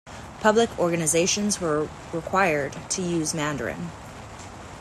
Public organizations were required to use Mandarin.